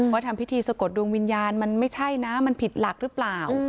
ทำพิธีสะกดดวงวิญญาณมันไม่ใช่นะมันผิดหลักหรือเปล่า